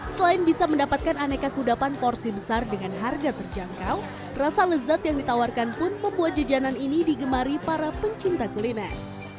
selain bisa mendapatkan aneka kudapan porsi besar dengan harga terjangkau rasa lezat yang ditawarkan pun membuat jajanan ini digemari para pencinta kuliner